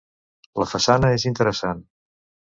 La façana és interessant.